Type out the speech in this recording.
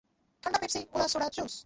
ঠান্ডা Pepsi, cola, soda, juice.